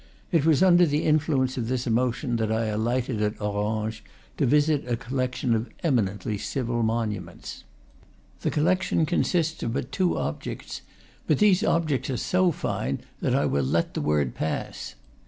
It was under the influence of this emotion that I alighted at Orange, to visit a collection of eminently civil monuments. The collection consists of but two objects, but these objects are so fine that I will let the word pass.